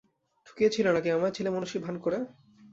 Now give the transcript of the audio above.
ঠকিয়েছিলে নাকি আমায়, ছেলেমানুষির ভান করে?